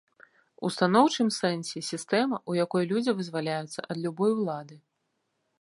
У станоўчым сэнсе, сістэма, у якой людзі вызваляюцца ад любой улады.